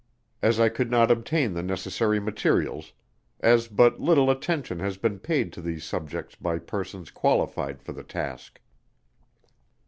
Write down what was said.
as I could not obtain the necessary materials, as but little attention has been paid to these subjects by persons qualified for the task.